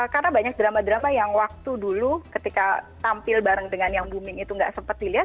karena banyak drama drama yang waktu dulu ketika tampil bareng dengan yang booming itu nggak sempat dilihat